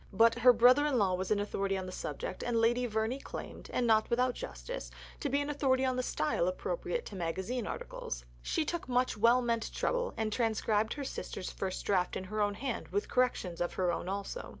But her brother in law was an authority on the subject and Lady Verney claimed (and not without justice) to be an authority on the style appropriate to magazine articles. She took much well meant trouble, and transcribed her sister's first draft in her own hand, with corrections of her own also.